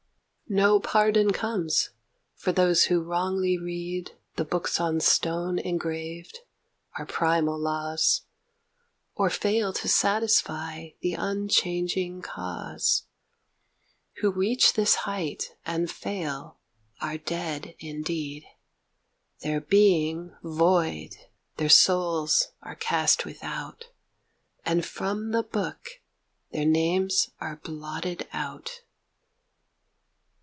No pardon comes for those who wrongly read The books on stone engraved Our Primal Laws Or fail to satisfy the unchanging Cause; Who reach this height, and fail, are dead indeed: Their being void, their souls are cast without; And from the Book their names are blotted out.